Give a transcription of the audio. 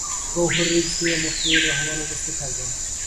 গওহর রিজভী ও মসিউর রহমান উপস্থিত থাকবেন।